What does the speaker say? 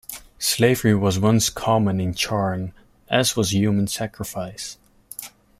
Slavery was once common in Charn, as was human sacrifice.